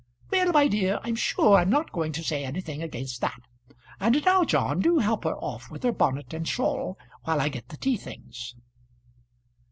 "Well, my dear, I'm sure I'm not going to say anything against that. And now, John, do help her off with her bonnet and shawl, while I get the tea things."